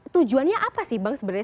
tujuannya apa sih bang sebenarnya